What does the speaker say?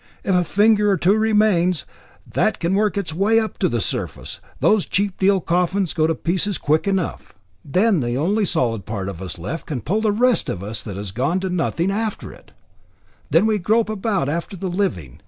If a finger or two remains, that can work its way up to the surface, those cheap deal coffins go to pieces quick enough. Then the only solid part of us left can pull the rest of us that has gone to nothing after it. Then we grope about after the living.